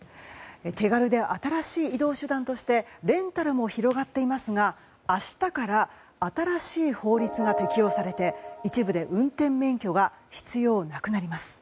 手軽で新しい移動手段としてレンタルも広がっていますが明日から新しい法律が適用されて一部で運転免許が必要なくなります。